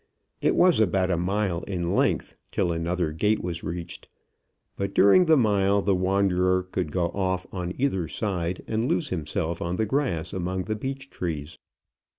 It was about a mile in length till another gate was reached; but during the mile the wanderer could go off on either side, and lose himself on the grass among the beech trees.